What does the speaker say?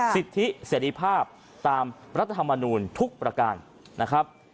สิทธิเสรีภาพตามรัฐธรรมนูลทุกประการนะครับ